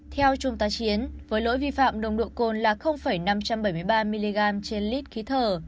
theo trung tá chiến với lỗi vi phạm nồng độ cồn là năm trăm bảy mươi ba mg trên lít khí thở